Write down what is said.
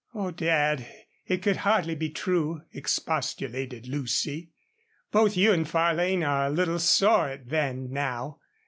"Oh, Dad, it could hardly be true," expostulated Lucy. "Both you and Farlane are a little sore at Van now."